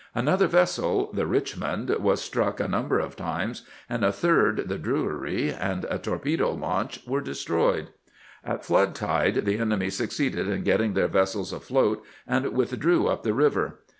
Another vessel, the Richmond, was struck a number of times, and a third, the Drewry, and a tor pedo launch were destroyed. At flood tide the enemy succeeded in getting their vessels afloat, and withdrew up the river.